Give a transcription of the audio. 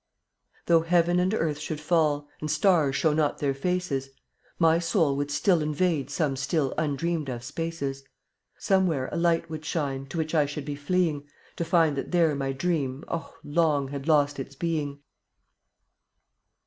70 Though heaven and earth should fall, And stars show not their faces, My soul would still invade Some still undreamed of spaces. Somewhere a light would shine To which I should be fleeing, To find that there my dream Oh, long had lost its being.